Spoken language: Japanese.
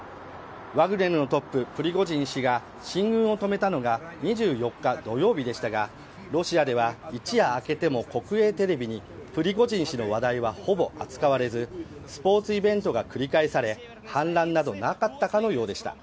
ワグネルのトッププリゴジン氏が進軍を止めたのが２４日、土曜日でしたがロシアでは一夜明けても国営テレビにプリゴジン氏の話題はほぼ扱われずスポーツイベントが繰り返され反乱などなかったかのようでした。